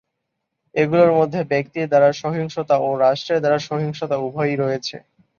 এগুলোর মধ্যে "ব্যক্তির" দ্বারা সহিংসতা ও "রাষ্ট্রের" দ্বারা সহিংসতা উভয়ই রয়েছে।।